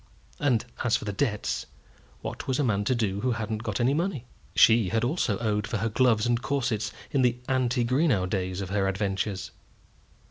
And as for the debts, what was a man to do who hadn't got any money? She also had owed for her gloves and corsets in the ante Greenow days of her adventures.